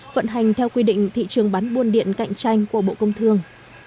vận hành theo quy định thị trường bán buôn điện cạnh tranh của bộ công thương